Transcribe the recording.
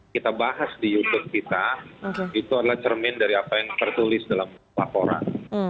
kita bahas di youtube kita itu adalah cermin dari apa yang tertulis dalam laporan